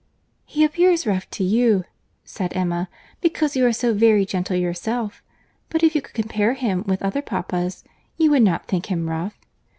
"He appears rough to you," said Emma, "because you are so very gentle yourself; but if you could compare him with other papas, you would not think him rough.